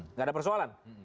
nggak ada persoalan